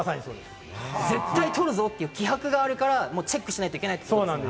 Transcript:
絶対取るぞという気迫があるから、チェックしなきゃいけないってことですね。